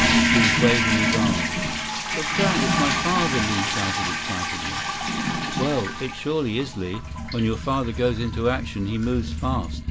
He was waving his arms. "It's Dad! It's my father!" Li shouted excitedly. "Well, it surely is. Li, when your father goes into action, he moves fast.